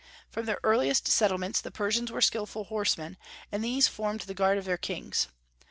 From their earliest settlements the Persians were skilful horsemen, and these formed the guard of their kings.